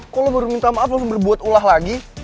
kok lo baru minta maaf lo baru buat ulah lagi